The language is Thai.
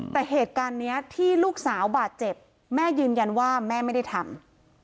แต่เหตุการณ์นี้ที่ลูกสาวบาดเจ็บแม่ยืนยันว่าแม่ไม่ได้ทำ